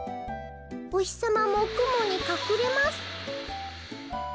おひさまもくもにかくれます」。